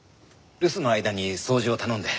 留守の間に掃除を頼んで。